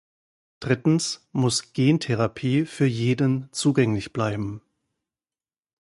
Drittens muss Gentherapie für jeden zugänglich bleiben.